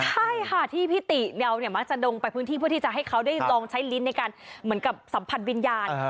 ใช่ค่ะที่พี่ติเราเนี่ยมักจะดงไปพื้นที่เพื่อที่จะให้เขาได้ลองใช้ลิ้นในการเหมือนกับสัมผัสวิญญาณ